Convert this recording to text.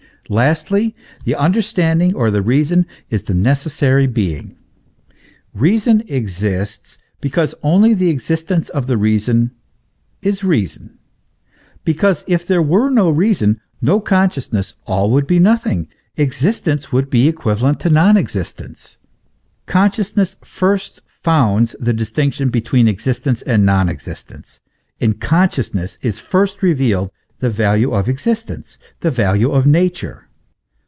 Lastly, the understanding or the reason is the necessary being. Reason exists because only the existence of the reason is reason ; because, if there were no reason, no consciousness, all would be nothing; existence would be equivalent to non existence. Consciousness first founds the distinction between existence and non existence. In consciousness is first revealed the value of existence, the value of nature.